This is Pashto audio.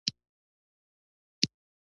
دا جګړه څو ورځې مخکې په موقتي ډول درېدلې وه.